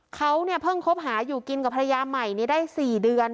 เขาเนี่ยเพิ่งคบหาอยู่กินกับภรรยาใหม่นี้ได้๔เดือน